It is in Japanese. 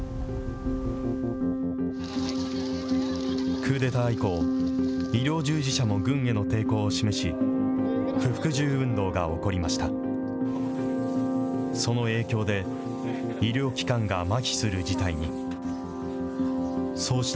クーデター以降、医療従事者も軍への抵抗を示し、不服従運動が起こりました。